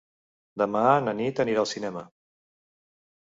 Demà na Nit anirà al cinema.